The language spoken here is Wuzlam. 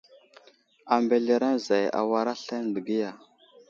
A mbelereŋ zay awar aslane dəgiya.